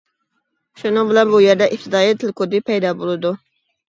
شۇنىڭ بىلەن بۇ يەردە ئىپتىدائىي تىل كودى پەيدا بولىدۇ.